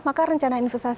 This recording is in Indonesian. maka rencana investasi itu